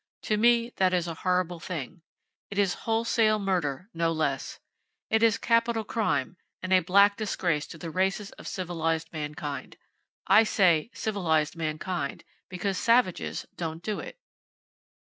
To me, that is a horrible thing. It is wholesale murder, no less. It is capital crime, and a black disgrace to the races of civilized mankind. I say "civilized mankind," because savages don't do it!